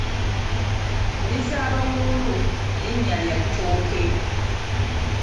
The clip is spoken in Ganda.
Ndizabawuulu linnya lya ttooke.